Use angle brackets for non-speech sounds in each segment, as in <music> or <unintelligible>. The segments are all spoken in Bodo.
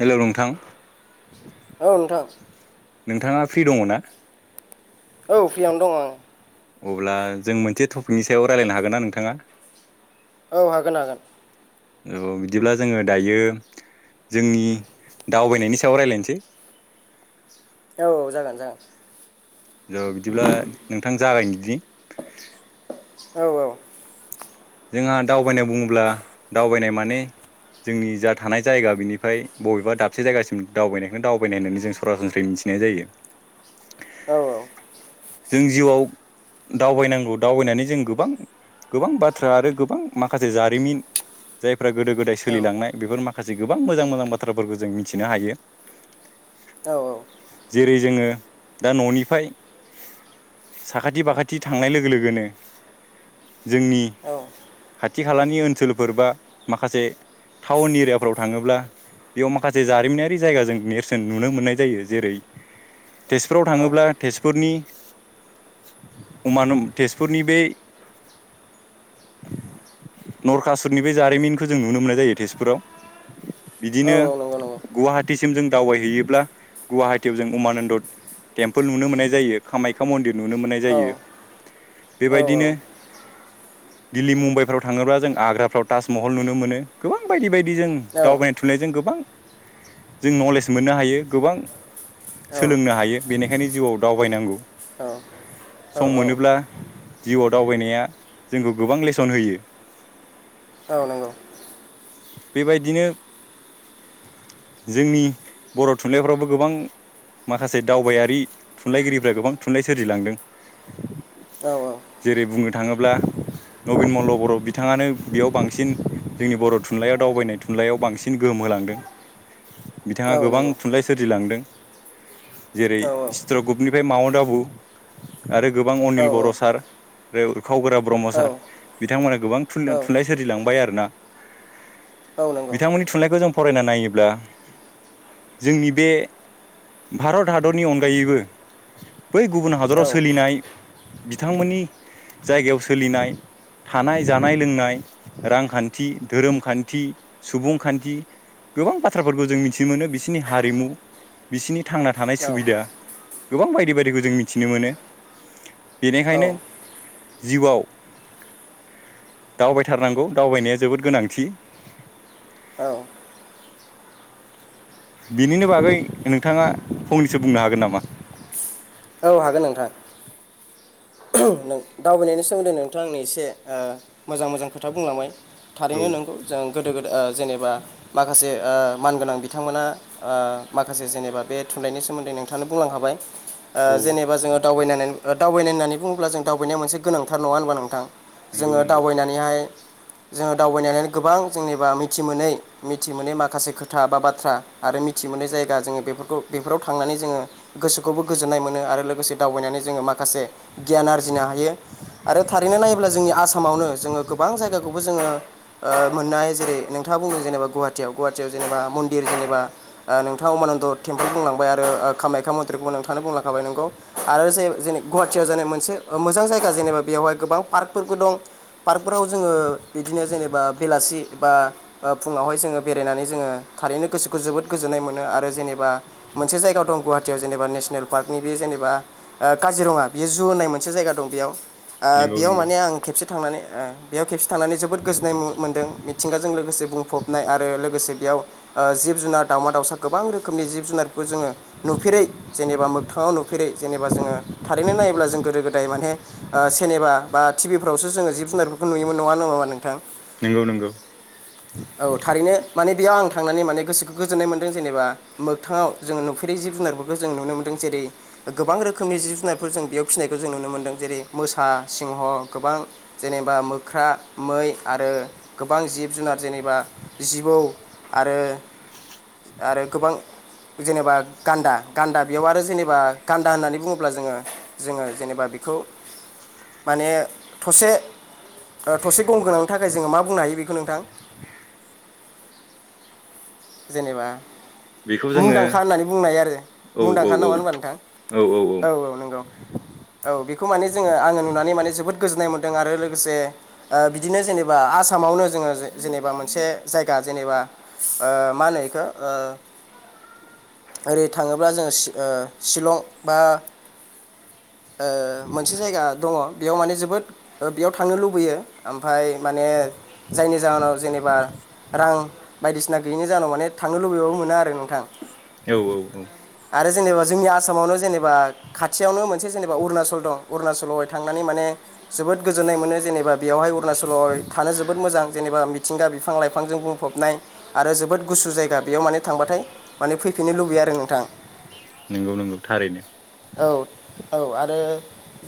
हेलौ नोंथां <unintelligible> औ नोंथां। नोंथाङा फ्रि दङना? औ फ्रियावनो दङ आं। बिनि सायाव रायलायनो हागोन ना नोंथाङा? औ हागोन हागोन। औ बिदिब्ला जोङो दायो जोंनि दावबायनायनि सायाव रायलायनोसै। औ जागोन जागोन। जो बिदिब्ला नोंथां जागायनो दिनि। औ जोंहा दावबायनाय बुङोब्ला दावबायनाय माने जोंनि जा थानाय जायगा बिनिफ्राय बबेबा दाबसे जायगासिम दावबायनायखौनो दावबायनाय होननानै जों सरासनस्रायै मि थिनाय जायो। औ औ। जों जिउआव दावबायनांगौ दावबायनानै जों गोबां गोबां बा थ्रा आरो गोबां माखासे जारिमिन जायफ्रा गोदो गोदाय औ सोलिलांनाय बेफोर माखासे गोबां मोजां मोजां बाथ्राफोरखौ जों मिथिनो हायो। औ जेरै जोङो दा न'निफाय साखाथि बाखाथि थांनाय लोगो लोगोनो जोंनि औ खाथि खालानि ओनसोलफोर बा माखासे टाउन एरियाफोराव थाङोब्ला बेयाव माखासे जारिमिनारि जायगा जों नेरसोन नुनो मोननाय जायो जेरै तेजपुराव औ थाङोब्ला नंगौ तेजपुरनि अमानम तेजपुरनि बे नरकासुरनि बे जारिमिनखौ जों नुनो मोननाय जायो तेजपुराव। औ बिदिनो औ नंगौ नंगौ। गुवाहाटिसिम जों दावबायहैयोब्ला गुवाहाटियाव जों उमानन्द टेम्पोल नुनो मोन्नाय जायो कामाख्या मन्दिर नुनो मोननाय जायो। औ औ औ बेबायदिनो दिल्ली मुम्बाइफ्राव थाङोब्ला जों आग्राफ्राव ताजमहल नुनो मोनो गोबां बायदि बायदि जों दावबायनाय थुननायजों गोबां जों नलेज मोननो हायो गोबां नंगौ औ सोलोंनो हायो बेनो खायनो जिउआव दावबायनांगौ औ औ सम मोनोब्ला जिउआव दावबायनाया जोंखौ गोबां लेसन होयो। औ नंगौ। बेबायदिनो जोंनि बर' थुनलाइफ्रावबो गोबां माखासे दावबायारि थुनलाइगिरिफ्रा गोबां थुनलाइ सोरजिलांदों। औ औ। जेरै बुंनो थाङोब्ला नबिन मल्ल' बर' बिथाङानो बेयाव बांसिन जोंनि बर' थुनलाइयाव दावबायनाय थुनलाइयाव बांसिन गोहोम होलांदों बिथाङा औ गोबां थुनलाइ सोरजिलांदों। जेरै चत्र ग्रुपनिफ्राय माउन्ट आबु आरो गोबां अनिल बर' सार ओै उरखाव गोरा ब्रह्म सार औ बिथांमोना गोबां थुन-थुनलाइ सोरजिलांबाय आरोना। नंगौ बिथांमोननि थुनलाइखौ जों फरायना नायोब्ला जोंनि बे भारत हादरनि अनगायैबो बै गुबुन हादराव औ औ सोलिनाय बिथांमोननि जायगायाव सोलिनाय थानाय जानाय लोंनाय रांखान्थि धोरोम खान्थि सुबुंखान्थि गोबां बाथ्राफोरखौ जों मिथिनो मोनो बिसोरनि हारिमु बिसिरनि थांना थानाय सुबिदा गोबां बायदि बायदिखौ जों मिथिनो मोनो बेनिखायनो जिउआव दावबायथारनांगौ दावबायनाया जोबोद गोनांथि औ बिनिनो बागै नोंथाङा फंनैसो बुंनो हागोन नामा? औ हागोन नोंथां। दावबायनायनि सोमोन्दै नोंथ आंनो एसे ओ मोजां मोजां खोथा बुंलांबाय औ थारैनो नंगौ जों गोदो गोद ओ जेनेबा माखासे ओ मानगोनां बिथांमोना ओ माखासे जेनेबा बे थुनलाइनि सोमोन्दै नोंथां बुंलां हाबाय ओ औ जेनेबा जोङो दावबायनानै दावबायनाय होननानै बुङोब्ला जों दावबायनाया मोनसे गोनांथार नङा होनबा नोंथां? नंगौ जोङो नंगौ दावबायनानैहाय जोङो दावबायनानै गोबां जेनेबा मिथि मोनै मिथि मोनै माखासे खोथा बा बाथ्रा आरो मिथि मोननाय जायगा जोङो बेफोरखौ बेफोराव थांनानै जोङो गोसोखौबो गोजोन्नाय मोनो आरो लोगोसे दावबायनानै जों जङो माखासे गियान आरजिनो हायो। आरो थारैनो नायोब्ला जोंनि आसामावनो जोंङो गोबां जायगाखौबो जोंङो मोननो हायो जेरै नोंथ नोंथा बुं जेनेबा गुवाहाटियाव गुवाहाटियाव जेनेबा मन्देर एबा अमानन्द टेम्पोल बुं लांबाय आरो खामाखा मथ्रिखौबो नोंथांनो बुंलाांखाबाय नोंगौ आरो जे जों गुवा <unintelligible> मोनसे मोजां जायगा जेनेबा बेवहाय गोबां पार्कबो दं। पार्कफोराव जोंङो बिदिनो जेनेबा बेलासि बा फुंङावहाय जोङो बेरायनानै जोंङो थारैनो गोसोखौ जोबोर गोजोननाय मोनो आरो जेनेबा मोनसे जायगा‌ दं गुहाटियाव जेनेबा नेसनेल पार्कनि बे एबा ओ काजिरङा बियो जु होननाय मोनसे जायगा दं बेयाव ओ नंगौ बेयाव नंगौ माने आं खेबसे थांनानै ओ बेयाव खेबसे थांनानै जोबोद गोजोननाय मोनदों मिथिंगाजों लोगोसे बुंफबनाय आरो लोगोसे बे आव ओ जिब जुनार दावमा दाउसा गोबां रोखोमनि जिब जुनारखौ जोङो नुफेरै जेनेबा मोगथाङाव नुफेरै जेनबा जोंङो थारैनो नायोब्ला जों गोदो गोदाय माने ओ सेनेमा बा टिभिफ्रावसो जोंङो जिब जुनारफोरखौ नुयोमोन नङा नङामा नोंथां? नंगौ नंगौ। औ थारैनो माने बेयाव आं थांनानै माने गोसोखौ गोजोननाय मोनदों जेनेबा मोगथाङाव जों नुफेरै जिब जुनारफोरखौ जों नुनो मोनदों जेरै गोबां रोखोनि जिब जुनार फोर जों बेयाव फिसिनायखौ जों नुनो मोनदों जेरै मोसा सिंह गोबां जेनेबा मोख्रा मै आरो गोबां जिब जुनार जेनेबा जिबौ आरो आरो गोबां जेनेबा गान्दा गान्दा बेयाव आरो जेनेबा गान्दा होननानै बुङोब्ला जोंङो जोङो जेनेबा बेखौ माने थसे थसे गं गोनांनि थाखाय जोंङो मा बुंनो हायो बेखौ नोंथां? <inaudible> जेनेबा बेखौ जोङो मुंदांखा होननानै बुंनाय आरो औ औ मुंदांखा नामा औ नङा होनबा नोंथां औ औ औ नंगौ। <inaudible> औ बेखौ माने जोङो आङो नुनानै माने जोबोद गोजोन्नाय मोन्दों आरो लोगोसे ओ बिदिनो जेनेबा आसाम मावनो जोङो जे जेनेबा मोनसे जायगा जेनेबा ओ मा होनो इखौ ओ ओरै थाङोब्ला जोङो शि ओ शिलं बा <inaudible> ओ मोनसे जायगा दङ बेयाव माने जोबोद ओ बेयाव थांनो लुबैयो ओमफाय माने जायनि जाहोनाव जेनेब बा रां बायदिसिना गैयैनि जाहोनाव माने थांनो लुबैबाबो मोना आरो नोंथां। औ औ औ। आरो जेनेबा जोंनि आसामावनो जेनेबा खाथियावनो मोनसे जेनेबा अरुणाचल दं अरुणाचलावहाय थांनानै माने जोबोद गोजोन्नाय मोनो जेनेबा बेवहाय अरुणाचलाव थानो जोबोद मोजां जेनेबा मिथिंगा बिफां लाइफांजों बुङ बुंफबनाय आरो जोबोद गुसु जायगा बेयाव माने थांबाथाय माने फैफिननो लुबैया आरो नोंथां। नोंगौ नोंगौ थारैनो। औ औ आरो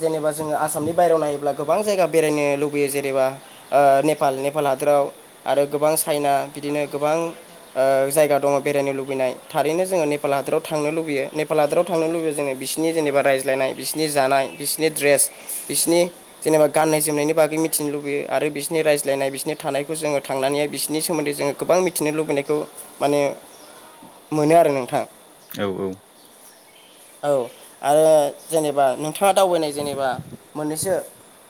जेनेबा जोङो आसामनि बायेरायाव नायोब्ला गोबां जायगा बेरायनो लुबैयो जेनेबा ओ नेपाल नेपाला लाव आरो गोबां चाइना बिदिनो गोबां ओ जायगा दङ बेरायनो लुबैनाय थारैनो जोङो नेपाल हादोराव थांनो लुबैयो नेपाल हादोराव थांनो लुबैयो जोङो बिसि बिसिनि जेनेबा रायज्लायनाय बिसिनि जानाय बिसिनि ड्रेस बिसिनि जेनेबा गाननाय जोमनायनि बागै मिथि थिनो लुबैयो आरो बिसिनि रायज्लायनाय बिसिनि थानायखौ जोङो थांनानैहाय बिसिनि सोमोन्दै जोङो गोबां मिथिनो लुबैनायखौ माने मोनो आरो नोंथां। औ औ। औ आरो जेनेबा नोंथाङा दावबायनाय जेनेबा मोननैसो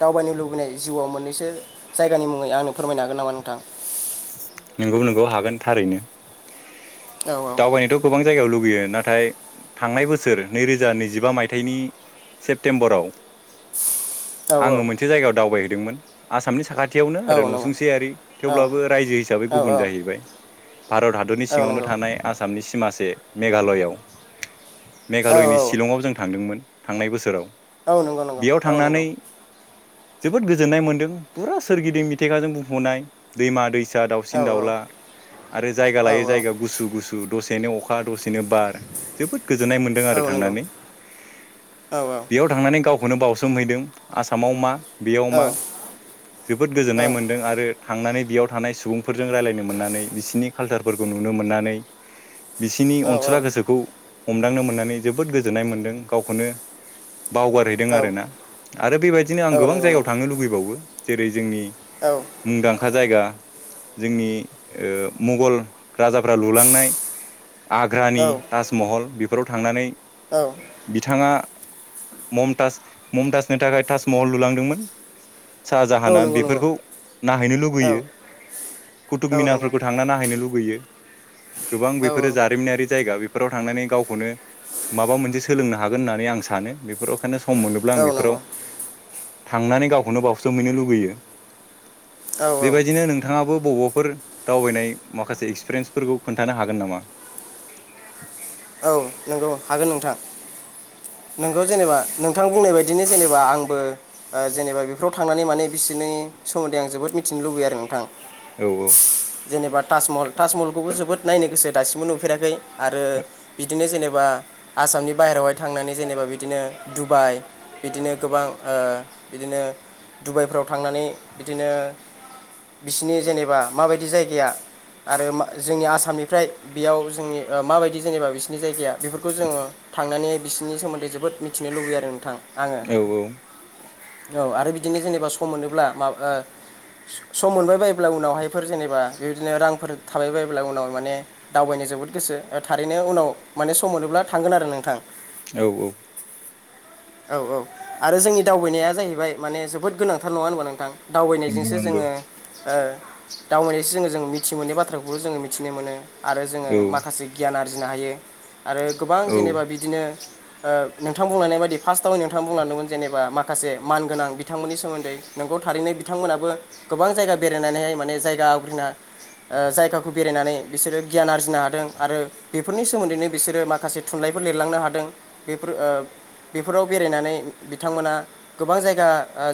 दावबायनो लुबैनाय जिउआव मोननैसो जायगानि मुङै आंनो फोरमायनो हागोन नामा नोंथां? नोंगौ नोंगौ हागोन थारैनो। औ दावबायनोथ' गोबां जायगायाव लुगैयो नाथाय थांनाय बोसोर नैरोजा नैजिबा मायथाइनि सेप्तेम्बराव आङो औ मोनसे जायगायाव दावबायहैदोंमोन आसामनि साखाथियावनो औ आरो नंगौ नसुंसेयारि औ थेवब्लाबो रायजो हिसाबै औ गुबुन जाहैबाय। भारत हादरनि औ सिङावनो नंगौ थानाय आसामनि सिमासे मेघालयआव। औ मेघालयनि शिलंआव जों थांदोंमोन थांनाय बोसोराव। औ नंगौ नंगौ बेयाव औ नंगौ। थांनानै जोबोद गोजोननाय मोन्दों फुरा सोरगिदिं मिथिंगाजों बुंफ'नाय दैमा दैस सा औ दाउसिन दाउला आरो जायगा औ औ लायै जायगा गुसु गुसु दसेनो अखा दसे नो बार जोबोद गोजोननाय मोनदों आरो नंगौ थांनानै औ औ बेयाव थांनानै गाव खौनो बावसोमहैदों आसामाव मा बेयाव मा औ जोबोद गोजोननाय मोनदों आरो थांनानै बियाव थानाय सुबुंफोरजों रायलायनो मोननानै बिसिनि कालसारफोरखौ नुनो मोननानै बिसिनि औ नंगौ अनसुला गोसोखौ हमदांनो मोननानै जोबोद गोजोननाय मोनदों गावखौनो। बावगारहैदों नंगौ औ आरो ना आरो बेबायदिनो आं औ गोबां जायगायाव थांनो लुगैबावो जेरै जोंनि औ दांखा जायगा जोंनि ओ मुंगल राजाफ्रा लुलांनाय आग्रानि ताजमहल बेफोराव थांनानै बिथाङा ममताज ममताजनि थाखाय ताजमहल लुलांदोंमोन। साजाहाना नंगौ बेफोरखौ नाहैनो लुुगैयो औ कुथुब औ नंगौ औ मिनारफोरखौ थांना नाहैनो लुुगैयो। गोबां बेफोरो जारिमिनारि जायगा बेफ फोराव थांनानै गावखौनो माबा मोनसे सोलोंनो हागोन होननानै आं सानो बेफोराव खायनो सम औ मोनोब्ला आं औ बेफोराव नंगौ थांनानै गावखौनो बावसोमहैनो लुबैयो। औ औ बेबायदिनो नोंथाङाबो बबाव फोर दावबायनाय माखासे एक्सपिरियेन्सफोरखौ खोन्थानो हागोन नामा? औ नंगौ हागोन नोंथां। <inaudible> नोंगौ जेनेबा नोंथां बुंनाय बायदिनो जेनेबा आंबो जेनेबा बेफोराव थांनानै माने बिसिनि नि सोमोन्दै आं जबोद मिथिनो लुबैयो आरो नोंथां। औ औ जेनेबा ताजमहल ताजमहलखौबो जोबोद नायनो गोसो दासिमबो नुफेराखै। आरो बिदिनो जेनेबा आसामनि बाहेरायावहाय थांनानै जेनेबा बिदिनो दुबाइ बिदिनो गोबां ओ बिदिनो दडुबाइफ्राव थांनानै बिदिनो बिसिनि जेनेबा माबायदि जायगाया आरो जोंनि आसामनिफ्राय बेयाव जोंनि माबायदि जेनेबा बिसिनि जायगाया बेफोरखौ जोङो थांनानै बिसिोरनि सोमोन्दै जोबोद मिथिनो लुबैयो आरो नोंथां। आङो औ औ औ आरो बिदिनो जेनेबा सम मोनोब्ला माबा ओ सम मोनबाय बायोब्ला उनावहायफोर जेनेबा बेदिनो रांफोर थाबाय बायोब्ला उनाव माने दावबायनाय। जोबोद गोसो थारैनो उनाव माने सम मोनोब्ला थांगोन आरो नोंथां। औ औ औ औ आरो जोंनि दावबायनाया जाहैबाय माने जोबोद गोनांथार नङा ओनबा नोंथां? नंगौ दावबायनायजोंसो नंगौ जोङो दावबायनायसो जोङो जों मिथि मोननाय बाथ्राखौबो जोङो मिथिनो मोनो। आरो जोङो औ माखासे गियान आरजिनो हायो। आरो गोबां औ जेनेबा बिदिनो ओ नोंथां बुंलांनाय बायदि फार्स्टआव नोंथां बुंलांदोंमोन जेनेबा माखासे मानगोनां बिथांमोननि सोमोन्दै नोंगौ थारैनो बिथांमोनाबो गोबां जायगा बेरायनानैहाय माने जायगा आवग्रिना ओ जायगाखौ बेरायनानै बिसोरो गियान आरजिनो हादों आरो बेफोरनि सोमोन्दैनो बिसोरो माखासे थुनलाइफोर लिरलांनो हादों बेफोर ओ बेफोराव बेरायनानै बिथांमोना गोबां जायगा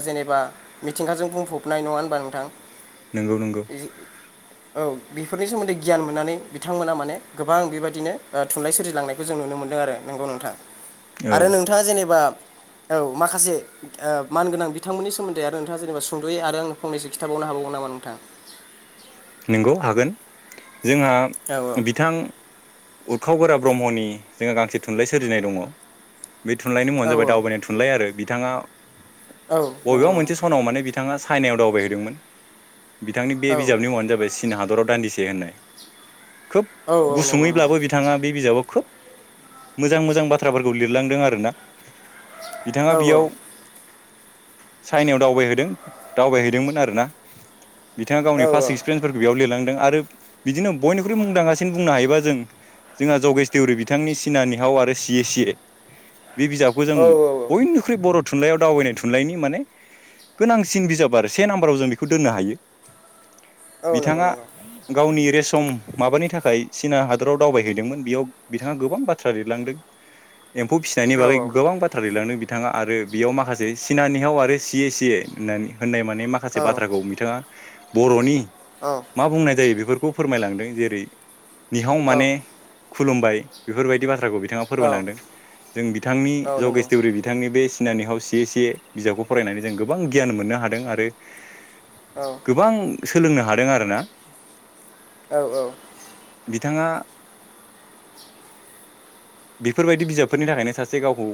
जेनेबा मिथिंगाजों बुंफबनाय। नङा होनबा नोंथां? नंगौ नंगौ। औ बेफोरनि सोमोन्दै गियान मोननानै बिथांमोना माने गोबां बेबायदिनो। थुनलाइ सोरजिलांनायखौ जों नुनो मोनदों आरो नोंगौ नोंथाङा आरो औ नोंथाङा जेनेबा औ माखासे मानगोनां बिथांमोननि सोमोन्दै आरो नोंथाङा जेनेबा सुंद'यै आरो आं फंनैसो खिथाबाव‌ हाबावोन नामा नोंथां? नंगौ हागोन। जोंहा औ बिथां उरखाव गोरा ब्रह्मनि जोंहा गांसे थुनलाइ सोरजिनाय दङ बे थुनलाइनि मुङानो औ जाबाय दावबायनाय थुनलाइ आरो बिथाङा औ नंगौ बबेबा नंगौ मोनसे सनाव माने बिथाङा चाइनायाव दावबायहैदोंमोन। बिथांनि बे औ बिजाबनि मुङानो जाबाय चीन हादराव दान्दिसे होननाय। खोब औ नंगौ नंगौ गुसुङैब्लाबो बिथाङा बे बिजाबाव खोब मोजां मोजां बाथ्राफोरखौ लिरलांदों आरोना औ बिथाङा बेयाव। चाइनायाव दावबायहैदों दावबायहैदोंमोन आरोना बिथाङा औ गावनि फार्स्ट सिक्स बेयाव लिरलांदों आरो बिदिनो बयनिख्रुइ मुंदांसिनो बुंनो हायोबा जों जोंहा जगेश देउरि बिथांनि सिनानिहाव आरो सि सि बे बिजाबखौ जों औ बयनिख्रुइ बर'। थुनलाइयाव दावबायनाय थुनलाइनि माने गोनांसिन बिजाब आरो से नाम्बाराव जों बेखौ दोननो हायो। औ नंगौ बिथाङा नंगौ गावनि रेस सम माबानि थाखाय चीना हादराव दावबायहैदोंमोन बेयाव बिथाङा गोबां बाथ्रा लिरलांदों। एम्फौ फिनायनि औ बागै गोबां बाथ्राारि लाांदों बि बिथाङा आरो बेयाव माखासे सिनानिहायाव आरो सियै सियै होननानै। होननाय माने औ माखासे बाथ्राखौ बिथाङा बर'नि औ मा बुंनाय जायो बेफोरखौ खौ फोरमायलांदों जेरै निहाव नंगौ माने औ खुलुमबाय बेफोरबायदि बाथ्रा। खौ बिथाङा औ फोरमायलांदों जों बिथांनि जगेश देवरी बिथांनि बे‌। सिनानियाव सेसे बिजाबखौ फरायनानै जों गोबां गियान मोननो हादों आरो। गोबां सोलोंनो हादों आरोना। औ औ। बिथाङा बेफोरबायदि बिजाबफोरनि थाखायनो सासे गावखौ।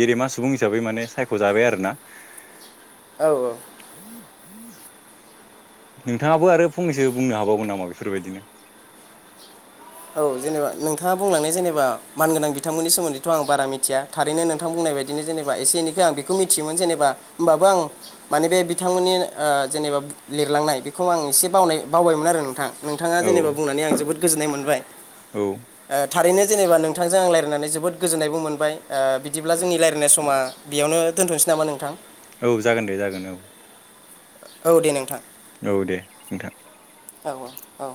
गेदेमा सुबुं हिसाबै माने सायख'जाबाय आरोना। औ औ नोंथाङाबो आरो फंनैसो बुंनो हाबावगोन नामा बेफोरबायदिनो? औ जेनेबा नोंथाङा बुंलांनाय जेनेबा मानगोनां बिथांमोननि सोमोन्दैथ' आं बारा मिथिया थारैनो नोंथां बुं नायबादिनो जेनोबा एसे एनैखो आं बिखौ मिथियोमोन जेनोबा होनबाबो आं मानि बे बिथांमोननि ओ। एबा लिरलांनाय बेखौ आं एसे बावनाय बावबायमोन आरो नोंथां नोंथाङा औ जेनेबा बुंनानै आं जोबोद गोजोननाय मोनबाय। औ ओ थारैनो जेनेबा नोंथांजों आं रायलायनानै जोबोद गोजोननायबो मोनबाय ओ बिदिब्ला जोंनि रायल्लायनाय समा बेयावनो। दोनथसै नामा नोंथां? औ जागोन दे जागोन औ औ दे नोंथां। औ दे नोंथां। औ औ औ